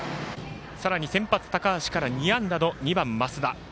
さらに先発、高橋から２安打の２番、増田。